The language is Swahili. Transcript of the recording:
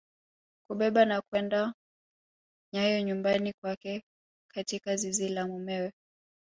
Kubeba na kwenda nayo nyumbani kwake katika zizi la mumewe